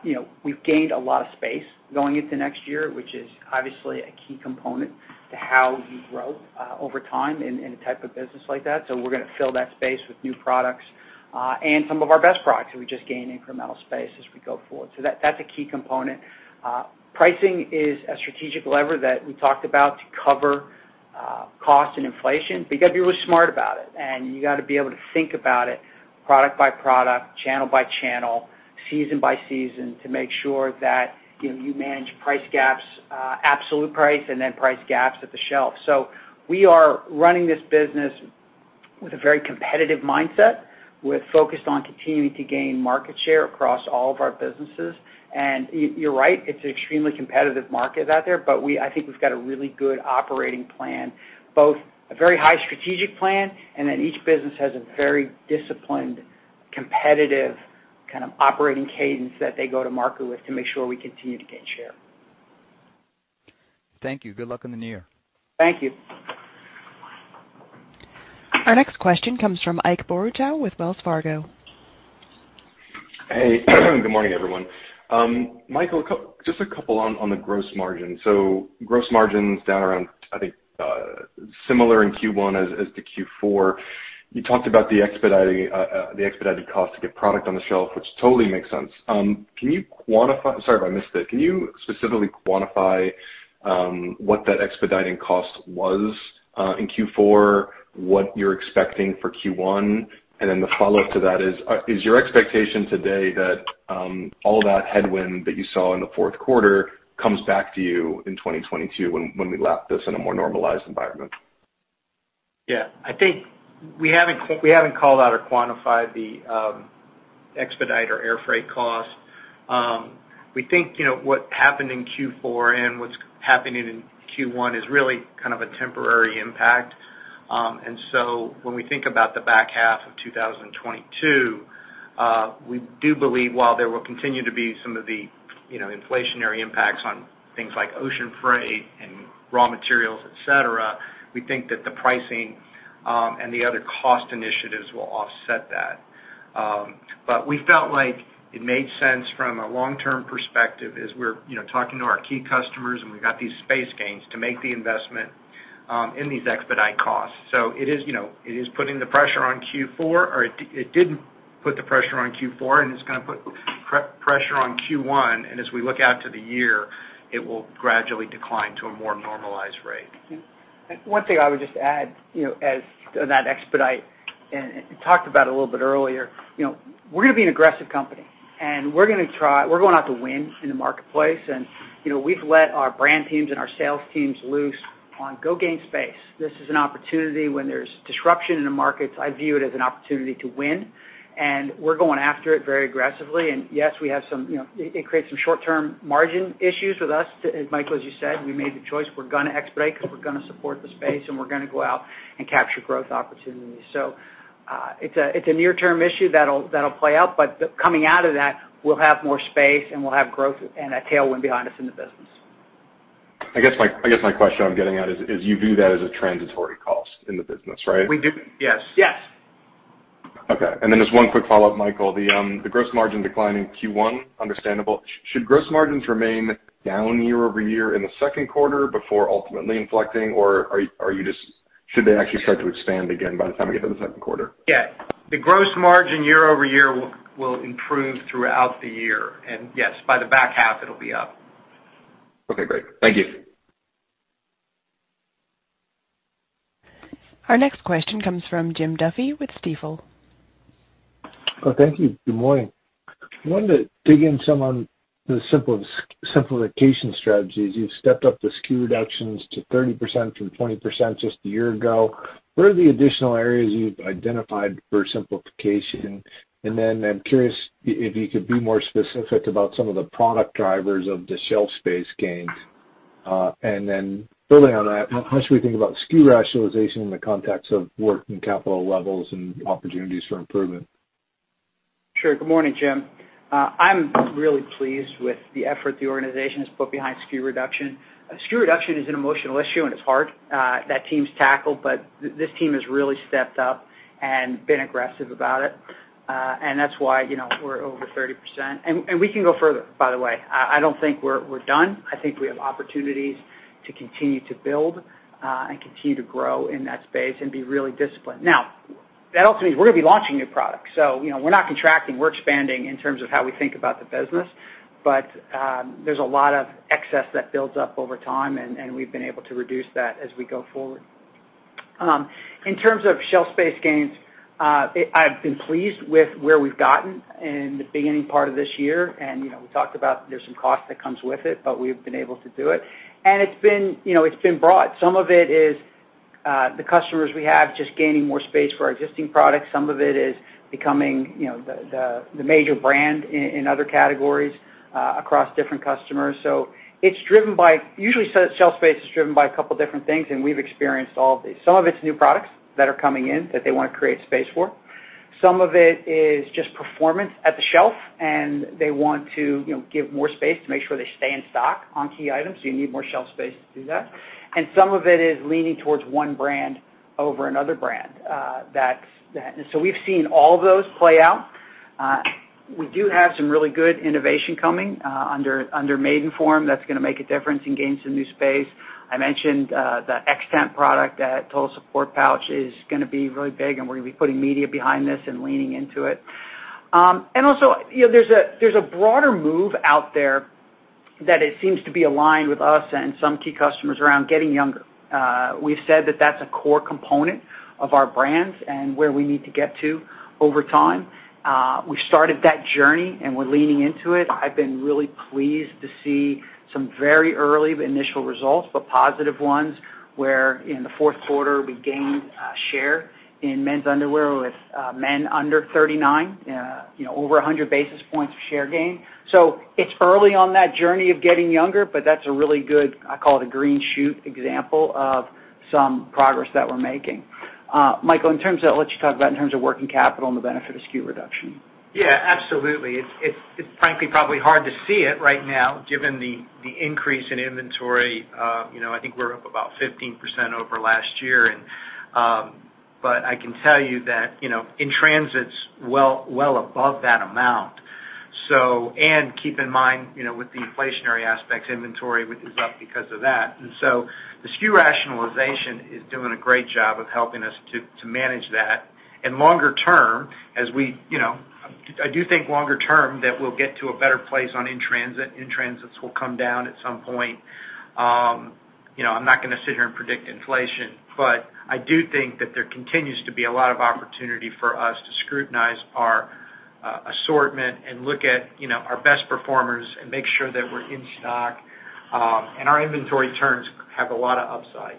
You know, we've gained a lot of space going into next year, which is obviously a key component to how you grow over time in a type of business like that. We're gonna fill that space with new products, and some of our best products that we just gained incremental space as we go forward. That that's a key component. Pricing is a strategic lever that we talked about to cover, cost and inflation, but you gotta be really smart about it, and you gotta be able to think about it product by product, channel by channel, season by season to make sure that, you know, you manage price gaps, absolute price and then price gaps at the shelf. We are running this business with a very competitive mindset. We're focused on continuing to gain market share across all of our businesses. You're right, it's an extremely competitive market out there, but I think we've got a really good operating plan, both a very high-level strategic plan, and then each business has a very disciplined, competitive kind of operating cadence that they go to market with to make sure we continue to gain share. Thank you. Good luck in the near term. Thank you. Our next question comes from Ike Boruchow with Wells Fargo. Hey, good morning, everyone. Michael, just a couple on the gross margin. Gross margin's down around, I think, similar in Q1 as to Q4. You talked about the expediting, the expedited cost to get product on the shelf, which totally makes sense. Can you quantify? Sorry if I missed it. Can you specifically quantify what that expediting cost was in Q4, what you're expecting for Q1? The follow-up to that is your expectation today that all that headwind that you saw in the fourth quarter comes back to you in 2022 when we lap this in a more normalized environment? Yeah. I think we haven't called out or quantified the expedite or air freight cost. We think, you know, what happened in Q4 and what's happening in Q1 is really kind of a temporary impact. When we think about the back half of 2022, we do believe while there will continue to be some of the, you know, inflationary impacts on things like ocean freight and raw materials, et cetera, we think that the pricing and the other cost initiatives will offset that. We felt like it made sense from a long-term perspective as we're, you know, talking to our key customers, and we've got these space gains to make the investment in these expedite costs. It is, you know, it is putting the pressure on Q4, or it didn't put the pressure on Q4, and it's gonna put pressure on Q1, and as we look out to the year, it will gradually decline to a more normalized rate. One thing I would just add, you know, as that expedite, and talked about a little bit earlier, you know, we're gonna be an aggressive company, and we're going out to win in the marketplace. You know, we've let our brand teams and our sales teams loose to go gain space. This is an opportunity when there's disruption in the markets, I view it as an opportunity to win, and we're going after it very aggressively. Yes, we have some, you know, it creates some short-term margin issues with us. As Michael, as you said, we made the choice. We're gonna expedite because we're gonna support the space, and we're gonna go out and capture growth opportunities. It's a near-term issue that'll play out, but coming out of that, we'll have more space, and we'll have growth and a tailwind behind us in the business. I guess my question I'm getting at is your view that as a transitory cost in the business, right? We do, yes. Yes. Okay. Just one quick follow-up, Michael. The gross margin decline in Q1, understandable. Should gross margins remain down year-over-year in the second quarter before ultimately inflecting, or should they actually start to expand again by the time we get to the second quarter? Yeah. The gross margin year-over-year will improve throughout the year. Yes, by the back half, it'll be up. Okay, great. Thank you. Our next question comes from Jim Duffy with Stifel. Thank you. Good morning. I wanted to dig in some on the simplification strategies. You've stepped up the SKU reductions to 30% from 20% just a year ago. What are the additional areas you've identified for simplification? I'm curious if you could be more specific about some of the product drivers of the shelf space gains. Building on that, how should we think about SKU rationalization in the context of working capital levels and opportunities for improvement? Sure. Good morning, Jim. I'm really pleased with the effort the organization has put behind SKU reduction. A SKU reduction is an emotional issue, and it's hard, this team has really stepped up and been aggressive about it. And that's why, you know, we're over 30%. And we can go further, by the way. I don't think we're done. I think we have opportunities to continue to build and continue to grow in that space and be really disciplined. Now, that also means we're gonna be launching new products. You know, we're not contracting, we're expanding in terms of how we think about the business. There's a lot of excess that builds up over time, and we've been able to reduce that as we go forward. In terms of shelf space gains, it—I've been pleased with where we've gotten in the beginning part of this year. You know, we talked about there's some cost that comes with it, but we've been able to do it. It's been, you know, it's been broad. Some of it is the customers we have just gaining more space for our existing products. Some of it is becoming, you know, the major brand in other categories across different customers. It's driven by. Usually, shelf space is driven by a couple different things, and we've experienced all of these. Some of it's new products that are coming in that they wanna create space for. Some of it is just performance at the shelf, and they want to, you know, give more space to make sure they stay in stock on key items, so you need more shelf space to do that. Some of it is leaning toward one brand over another brand. That's that. We've seen all of those play out. We do have some really good innovation coming under Maidenform that's gonna make a difference in gains in new space. I mentioned the X-Temp product, that Total Support Pouch is gonna be really big, and we're gonna be putting media behind this and leaning into it. And also, you know, there's a broader move out there that it seems to be aligned with us and some key customers around getting younger. We've said that that's a core component of our brands and where we need to get to over time. We started that journey, and we're leaning into it. I've been really pleased to see some very early initial results, but positive ones, where in the fourth quarter, we gained share in men's underwear with men under 39. You know, over 100 basis points of share gain. It's early on that journey of getting younger, but that's a really good, I call it a green shoot example of some progress that we're making. Michael, I'll let you talk about in terms of working capital and the benefit of SKU reduction. Yeah, absolutely. It's frankly, probably hard to see it right now, given the increase in inventory. You know, I think we're up about 15% over last year. I can tell you that, you know, in transits well above that amount. Keep in mind, you know, with the inflationary aspects, inventory is up because of that. The SKU rationalization is doing a great job of helping us to manage that. Longer term, I do think longer term, that we'll get to a better place on in transit. In transits will come down at some point. You know, I'm not gonna sit here and predict inflation, but I do think that there continues to be a lot of opportunity for us to scrutinize our assortment and look at, you know, our best performers and make sure that we're in stock, and our inventory turns have a lot of upside.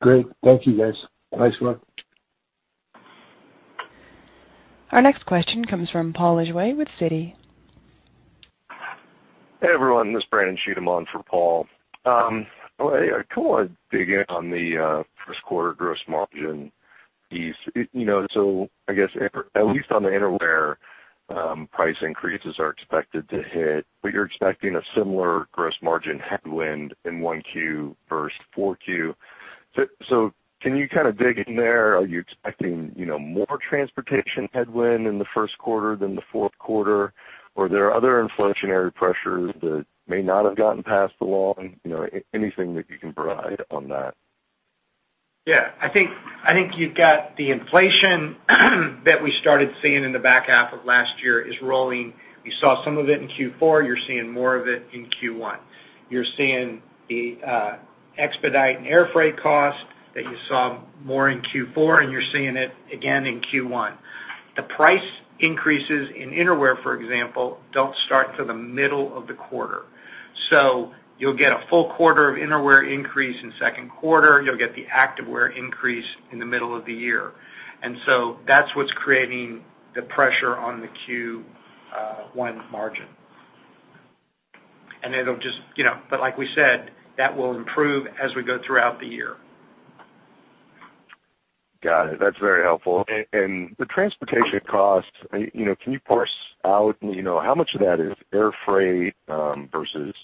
Great. Thank you, guys. Nice one. Our next question comes from Paul Lejuez with Citi. Hey, everyone, this is Brandon Cheatham on for Paul. Come on, dig in on the first quarter gross margin piece. You know, I guess, at least on the innerwear, price increases are expected to hit. But you're expecting a similar gross margin headwind in 1Q versus 4Q. So can you dig in there? Are you expecting, you know, more transportation headwind in the first quarter than the fourth quarter? Or are there other inflationary pressures that may not have gotten past the wall? You know, anything that you can provide on that. Yeah. I think you've got the inflation that we started seeing in the back half of last year is rolling. We saw some of it in Q4. You're seeing more of it in Q1. You're seeing the expedite and air freight cost that you saw more in Q4, and you're seeing it again in Q1. The price increases in innerwear, for example, don't start till the middle of the quarter. You'll get a full quarter of innerwear increase in second quarter. You'll get the activewear increase in the middle of the year. That's what's creating the pressure on the Q1 margin. It'll just, you know, like we said, that will improve as we go throughout the year. Got it. That's very helpful. And the transportation costs, you know, can you parse out, you know, how much of that is air freight, versus,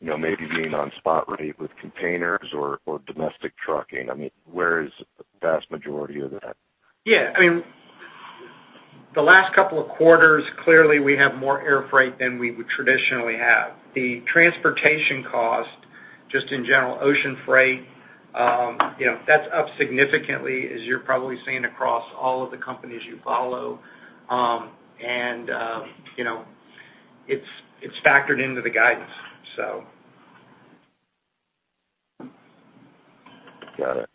you know, maybe being on spot rate with containers or domestic trucking? I mean, where is the vast majority of that? Yeah. I mean, the last couple of quarters, clearly, we have more air freight than we would traditionally have. The transportation cost, just in general, ocean freight, you know, that's up significantly as you're probably seeing across all of the companies you follow. You know, it's factored into the guidance. Got it.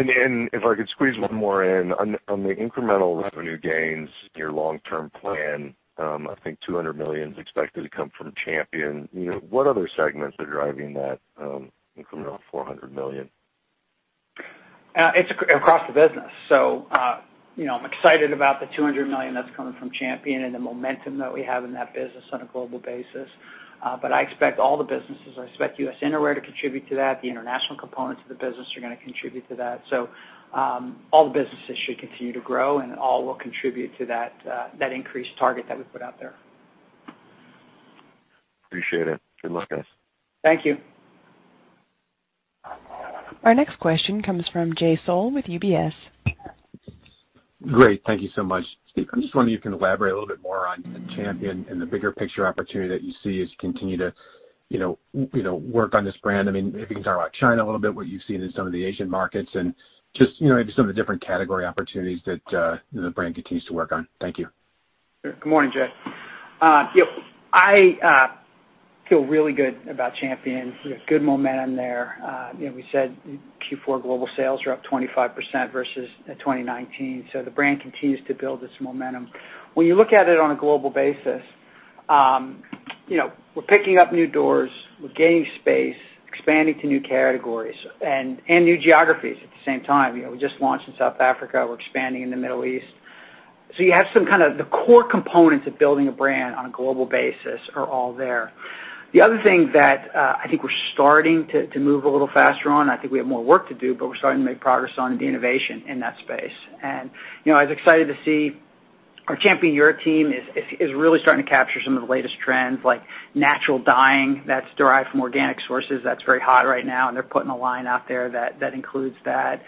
If I could squeeze one more in. On the incremental revenue gains, your long-term plan, I think $200 million is expected to come from Champion. You know, what other segments are driving that incremental $400 million? It's across the business. You know, I'm excited about the $200 million that's coming from Champion and the momentum that we have in that business on a global basis. I expect all the businesses. I expect U.S. Innerwear to contribute to that. The international components of the business are gonna contribute to that. All the businesses should continue to grow, and all will contribute to that increased target that we put out there. Appreciate it. Good luck, guys. Thank you. Our next question comes from Jay Sole with UBS. Great. Thank you so much. I'm just wondering if you can elaborate a little bit more on Champion and the bigger picture opportunity that you see as you continue to, you know, work on this brand. I mean, if you can talk about China a little bit, what you've seen in some of the Asian markets, and just, you know, maybe some of the different category opportunities that, the brand continues to work on. Thank you. Good morning, Jay. You know, I feel really good about Champion. We have good momentum there. You know, we said Q4 global sales are up 25% versus 2019, so the brand continues to build its momentum. When you look at it on a global basis, you know, we're picking up new doors. We're gaining space, expanding to new categories and new geographies at the same time. You know, we just launched in South Africa. We're expanding in the Middle East. You have some kind of the core components of building a brand on a global basis are all there. The other thing that I think we're starting to move a little faster on, I think we have more work to do, but we're starting to make progress on the innovation in that space. You know, I was excited to see our Champion Europe team is really starting to capture some of the latest trends, like natural dyeing that's derived from organic sources. That's very hot right now, and they're putting a line out there that includes that.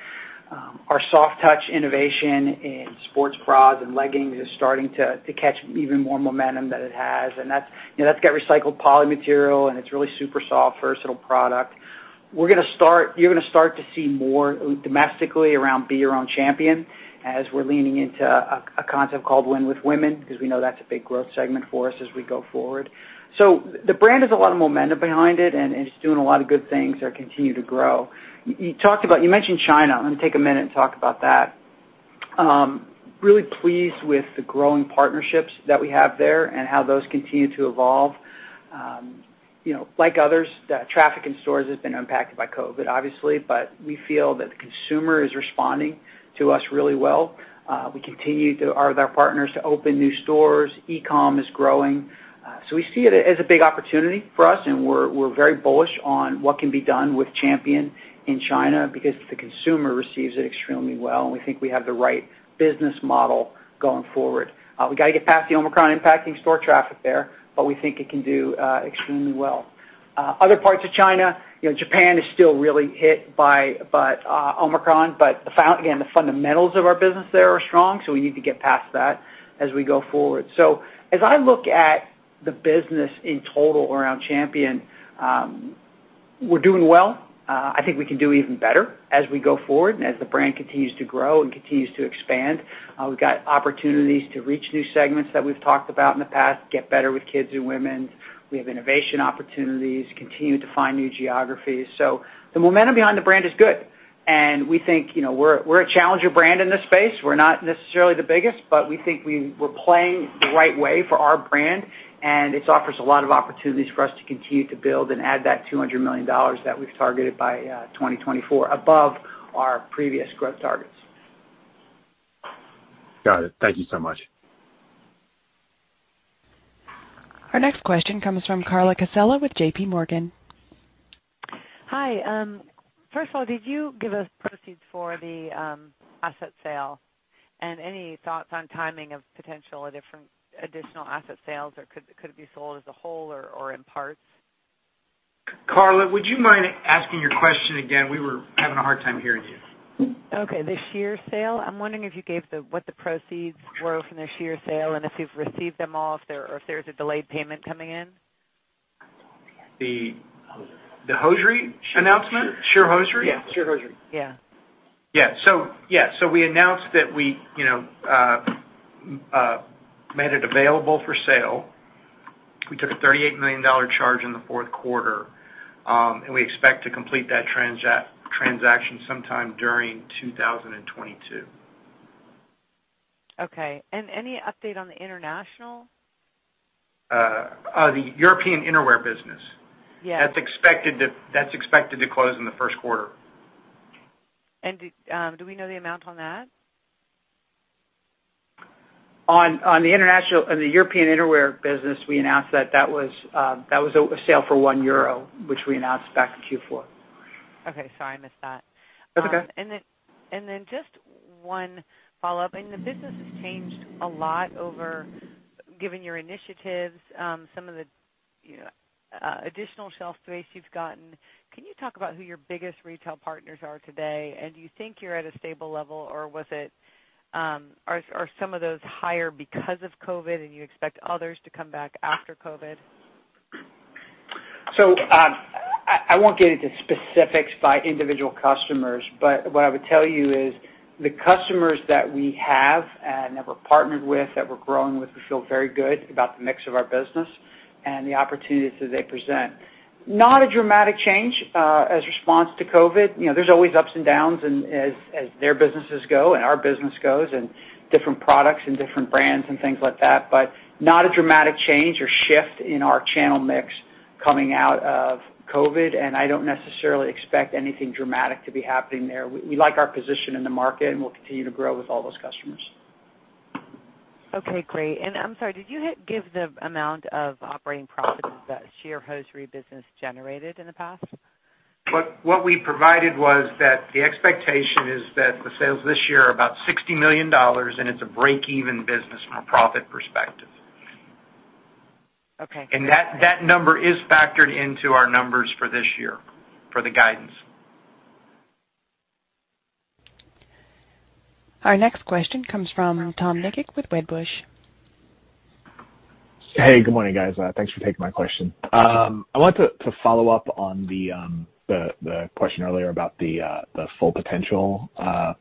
Our soft touch innovation in sports bras and leggings is starting to catch even more momentum than it has. You know, that's got recycled poly material, and it's really super soft, versatile product. You're gonna start to see more domestically around Be Your Own Champion as we're leaning into a concept called Win with Women, because we know that's a big growth segment for us as we go forward. The brand has a lot of momentum behind it and it's doing a lot of good things that continue to grow. You mentioned China. Let me take a minute and talk about that. Really pleased with the growing partnerships that we have there and how those continue to evolve. You know, like others, the traffic in stores has been impacted by COVID, obviously, but we feel that the consumer is responding to us really well. We continue to have our partners open new stores. E-com is growing. We see it as a big opportunity for us, and we're very bullish on what can be done with Champion in China because the consumer receives it extremely well, and we think we have the right business model going forward. We gotta get past the Omicron impacting store traffic there, but we think it can do extremely well. Other parts of China, you know, Japan is still really hit by Omicron. Again, the fundamentals of our business there are strong, so we need to get past that as we go forward. As I look at the business in total around Champion, we're doing well. I think we can do even better as we go forward and as the brand continues to grow and continues to expand. We've got opportunities to reach new segments that we've talked about in the past, get better with kids and women. We have innovation opportunities, continue to find new geographies. The momentum behind the brand is good. We think, you know, we're a challenger brand in this space. We're not necessarily the biggest, but we think we're playing the right way for our brand, and this offers a lot of opportunities for us to continue to build and add that $200 million that we've targeted by 2024 above our previous growth targets. Got it. Thank you so much. Our next question comes from Carla Casella with JP Morgan. Hi. First of all, did you give us proceeds for the asset sale? Any thoughts on timing of potential or different additional asset sales, or could it be sold as a whole or in parts? Carla, would you mind asking your question again? We were having a hard time hearing you. Okay. The share sale, I'm wondering if you gave what the proceeds were from the share sale and if you've received them all, or if there's a delayed payment coming in. The- Hosiery. The hosiery announcement? Sheer hosiery? Yeah, sheer hosiery. Yeah. We announced that we, you know, made it available for sale. We took a $38 million charge in the fourth quarter, and we expect to complete that transaction sometime during 2022. Okay. Any update on the international? The European innerwear business? Yes. That's expected to close in the first quarter. Do we know the amount on that? On the European innerwear business, we announced that it was a sale for 1 euro, which we announced back in Q4. Okay. Sorry, I missed that. That's okay. Just one follow-up. I mean, the business has changed a lot over, given your initiatives, some of the additional shelf space you've gotten. Can you talk about who your biggest retail partners are today? Do you think you're at a stable level, or are some of those higher because of COVID, and you expect others to come back after COVID? I won't get into specifics by individual customers, but what I would tell you is the customers that we have and that we're partnered with, that we're growing with, we feel very good about the mix of our business and the opportunities that they present. Not a dramatic change in response to COVID. You know, there's always ups and downs and as their businesses go and our business goes and different products and different brands and things like that, but not a dramatic change or shift in our channel mix coming out of COVID. I don't necessarily expect anything dramatic to be happening there. We like our position in the market, and we'll continue to grow with all those customers. Okay, great. I'm sorry, did you give the amount of operating profit that sheer hosiery business generated in the past? What we provided was that the expectation is that the sales this year are about $60 million, and it's a break-even business from a profit perspective. Okay. That number is factored into our numbers for this year for the guidance. Our next question comes from Tom Nikic with Wedbush. Hey, good morning, guys. Thanks for taking my question. I wanted to follow up on the question earlier about the full potential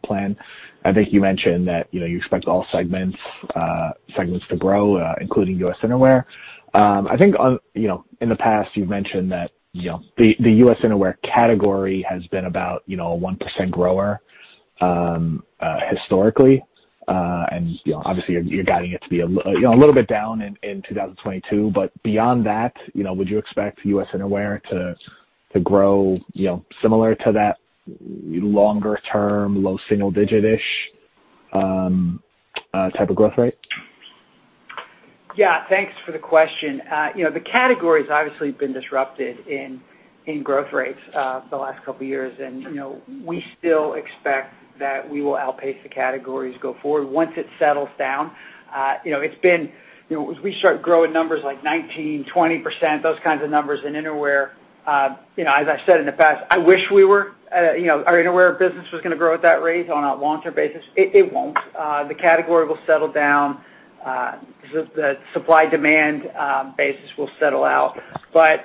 plan. I think you mentioned that, you know, you expect all segments to grow, including U.S. innerwear. I think, you know, in the past, you've mentioned that, you know, the U.S. innerwear category has been about a 1% grower historically. You know, obviously, you're guiding it to be a little bit down in 2022. Beyond that, you know, would you expect U.S. innerwear to grow, you know, similar to that longer term, low single-digit-ish type of growth rate? Yeah, thanks for the question. You know, the category's obviously been disrupted in growth rates the last couple years. You know, we still expect that we will outpace the categories going forward once it settles down. You know, as we start growing numbers like 19%-20%, those kinds of numbers in innerwear, you know, as I said in the past, I wish we were you know, our innerwear business was gonna grow at that rate on a long-term basis. It won't. The category will settle down. The supply-demand basis will settle out.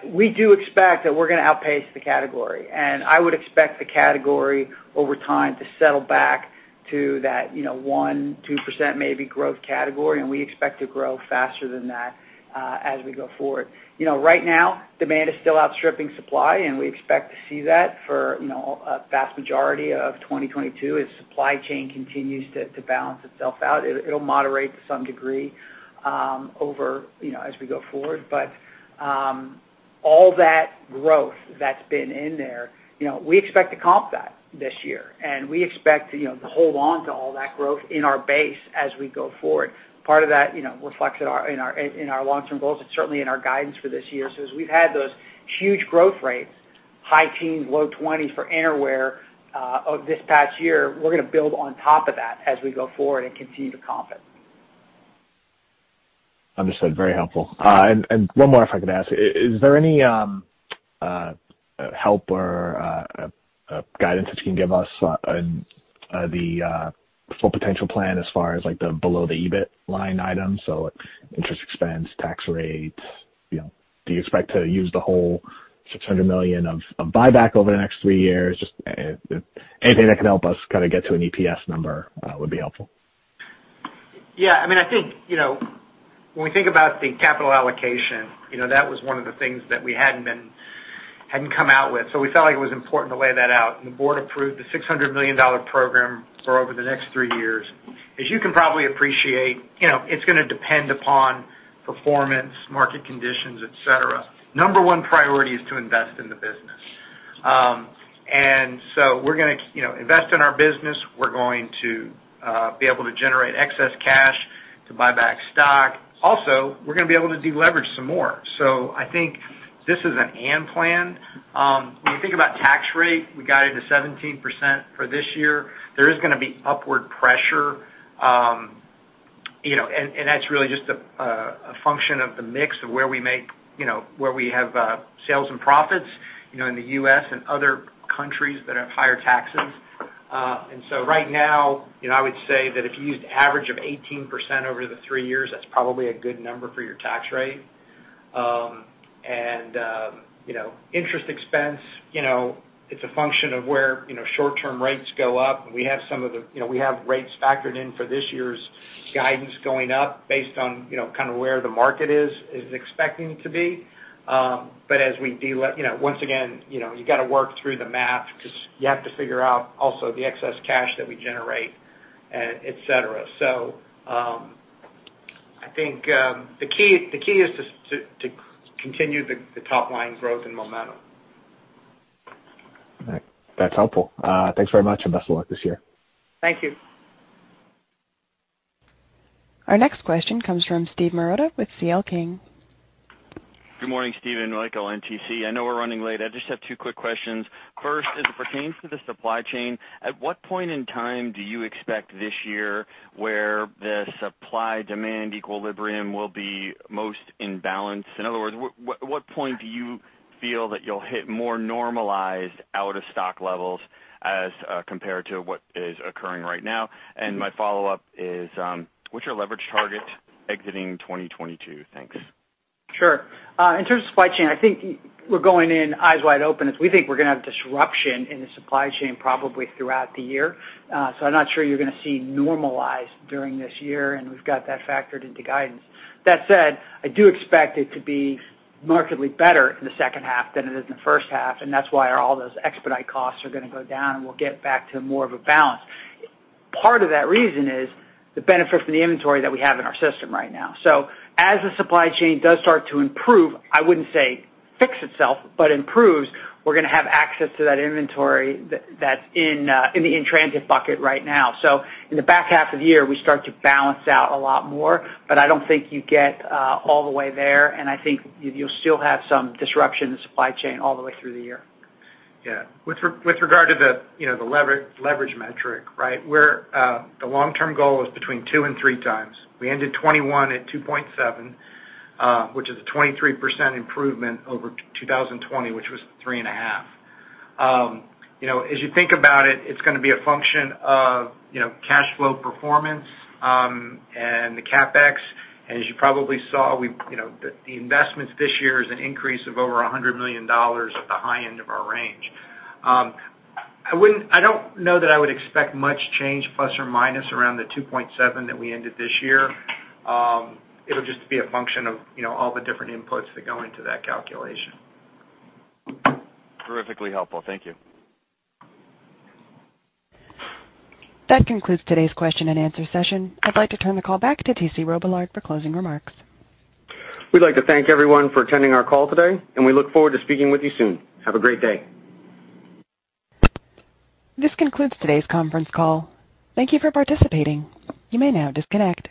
We do expect that we're gonna outpace the category, and I would expect the category over time to settle back to that, you know, 1%-2% maybe growth category, and we expect to grow faster than that as we go forward. You know, right now, demand is still outstripping supply, and we expect to see that for, you know, a vast majority of 2022 as supply chain continues to balance itself out. It'll moderate to some degree over, you know, as we go forward. All that growth that's been in there, you know, we expect to comp that this year, and we expect, you know, to hold on to all that growth in our base as we go forward. Part of that, you know, reflects in our long-term goals and certainly in our guidance for this year. As we've had those huge growth rates, high-teens%, low-20s% for innerwear of this past year, we're gonna build on top of that as we go forward and continue to comp it. Understood. Very helpful. One more if I could ask. Is there any help or guidance that you can give us on the full potential plan as far as, like, the below the EBIT line items, so interest expense, tax rates, you know, do you expect to use the whole $600 million of buyback over the next three years? Just anything that can help us kinda get to an EPS number would be helpful. Yeah. I mean, I think, you know, when we think about the capital allocation, you know, that was one of the things that we hadn't come out with. We felt like it was important to lay that out. The board approved the $600 million program for over the next three years. As you can probably appreciate, you know, it's gonna depend upon performance, market conditions, et cetera. Number one priority is to invest in the business. We're gonna, you know, invest in our business. We're going to be able to generate excess cash to buy back stock. Also, we're gonna be able to deleverage some more. I think this is an and plan. When you think about tax rate, we guided to 17% for this year. There is gonna be upward pressure, you know, and that's really just a function of the mix of where we make, you know, where we have sales and profits, you know, in the U.S. and other countries that have higher taxes. Right now, you know, I would say that if you used average of 18% over the three years, that's probably a good number for your tax rate. Interest expense, you know, it's a function of where, you know, short-term rates go up, and we have rates factored in for this year's guidance going up based on, you know, kinda where the market is expecting to be. As we delever. You know, once again, you know, you gotta work through the math 'cause you have to figure out also the excess cash that we generate, et cetera. I think the key is to continue the top line growth and momentum. All right. That's helpful. Thanks very much, and best of luck this year. Thank you. Our next question comes from Steve Marotta with C.L. King. Good morning, Steve and Michael and T.C. I know we're running late. I just have two quick questions. First, as it pertains to the supply chain, at what point in time do you expect this year where the supply-demand equilibrium will be most in balance? In other words, what point do you feel that you'll hit more normalized out of stock levels as compared to what is occurring right now? My follow-up is, what's your leverage target exiting 2022? Thanks. Sure. In terms of supply chain, I think we're going in eyes wide open as we think we're gonna have disruption in the supply chain probably throughout the year. I'm not sure you're gonna see it normalize during this year, and we've got that factored into guidance. That said, I do expect it to be markedly better in the second half than it is in the first half, and that's why all those expedite costs are gonna go down, and we'll get back to more of a balance. Part of that reason is the benefit from the inventory that we have in our system right now. As the supply chain does start to improve, I wouldn't say fix itself, but improves, we're gonna have access to that inventory that's in the in-transit bucket right now. In the back half of the year, we start to balance out a lot more, but I don't think you get all the way there, and I think you'll still have some disruption in supply chain all the way through the year. Yeah. With regard to the leverage metric, right? The long-term goal is between 2 and 3 times. We ended 2021 at 2.7, which is a 23% improvement over 2020, which was 3.5. You know, as you think about it's gonna be a function of cash flow performance and the CapEx. As you probably saw, the investments this year is an increase of over $100 million at the high end of our range. I don't know that I would expect much change plus or minus around the 2.7 that we ended this year. It'll just be a function of all the different inputs that go into that calculation. Terrifically helpful. Thank you. That concludes today's question and answer session. I'd like to turn the call back to T.C. Robillard for closing remarks. We'd like to thank everyone for attending our call today, and we look forward to speaking with you soon. Have a great day. This concludes today's conference call. Thank you for participating. You may now disconnect.